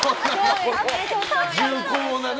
重厚なね。